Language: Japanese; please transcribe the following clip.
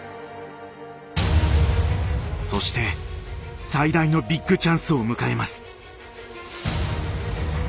そして最大のビッグチャンスを迎えます。